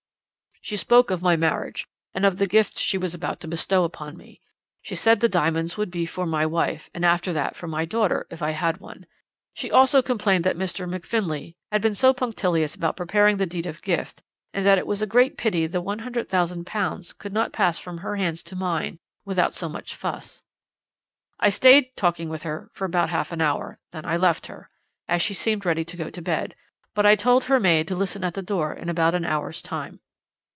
"'She spoke of my marriage, and of the gift she was about to bestow upon me. She said the diamonds would be for my wife, and after that for my daughter, if I had one. She also complained that Mr. Macfinlay had been so punctilious about preparing the deed of gift, and that it was a great pity the £100,000 could not just pass from her hands to mine without so much fuss. "'I stayed talking with her for about half an hour; then I left her, as she seemed ready to go to bed; but I told her maid to listen at the door in about an hour's time.'